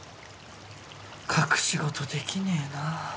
隠し事できねえなぁ。